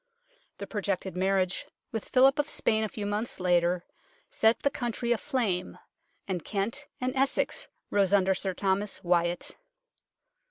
The projected marriage with Philip of Spain a few months later set the country aflame, and Kent and Essex rose under Sir Thomas Wyatt.